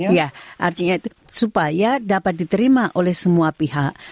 iya artinya supaya dapat diterima oleh semua pihak